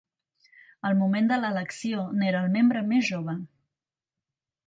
Al moment de l'elecció n'era el membre més jove.